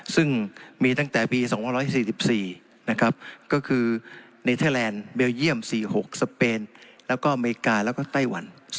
ซึ่งมีตั้งแต่ปี๒๔๔นะครับก็คือเนเทอร์แลนด์เบลเยี่ยม๔๖สเปนแล้วก็อเมริกาแล้วก็ไต้หวัน